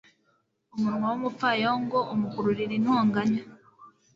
umunwa w'umupfayongo umukururira intonganya